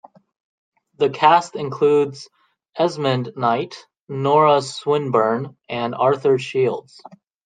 The cast includes Esmond Knight, Nora Swinburne and Arthur Shields.